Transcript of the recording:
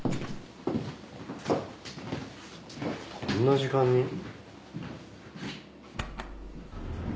こんな時間に？